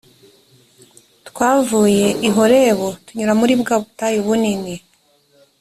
twavuye i horebu tunyura muri bwa butayu bunini